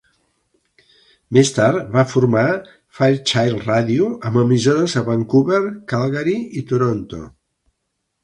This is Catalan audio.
Més tard, va formar Fairchild Ràdio amb emissores a Vancouver, Calgary i Toronto.